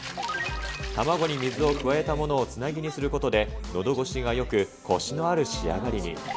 卵に水を加えたものをつなぎにすることで、のどごしがよく、こしのある仕上がりに。